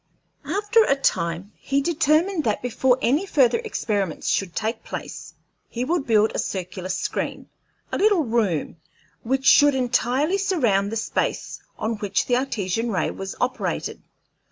After a time he determined that before any further experiments should take place he would build a circular screen, a little room, which should entirely surround the space on which the Artesian ray was operated.